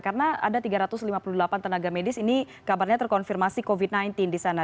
karena ada tiga ratus lima puluh delapan tenaga medis ini kabarnya terkonfirmasi covid sembilan belas di sana